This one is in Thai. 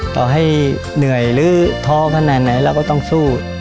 ต่อให้เหนื่อยหรือท้อขนาดไหนเราก็ต้องสู้